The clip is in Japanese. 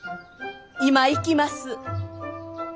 今行きます。